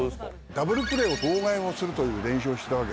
ダブルプレーを妨害をするという練習をしてたわけ。